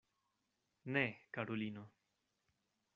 Ne, karulino.